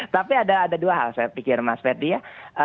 tapi ada dua hal saya pikir mas ferdi ya